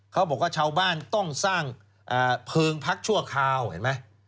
เขาบอกว่าชาวบ้านต้องสร้างเภอร์งพักชั่วคาวเห็นไหม